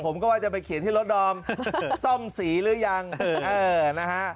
ว่าจะไปเขียนที่รถดอมซ่อมสีหรือยังเออนะฮะ